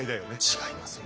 違いますよ。